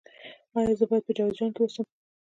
ایا زه باید په جوزجان کې اوسم؟